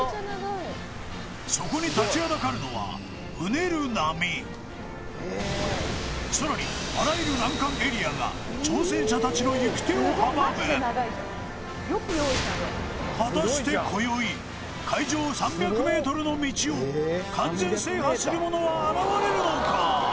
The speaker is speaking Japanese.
そこに立ちはだかるのはさらにあらゆる難関エリアが挑戦者達の行く手を阻む果たして今宵海上３００ｍの道を完全制覇する者は現れるのか？